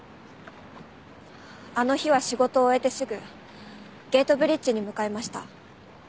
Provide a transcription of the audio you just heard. あの日は仕事を終えてすぐゲートブリッジに向かいました。